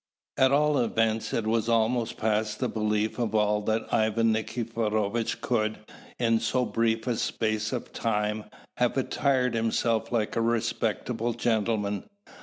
At all events, it was almost past the belief of all that Ivan Nikiforovitch could, in so brief a space of time, have attired himself like a respectable gentleman.